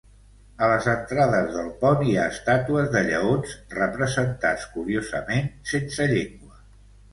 A les entrades del pont hi ha estàtues de lleons representats curiosament sense llengua.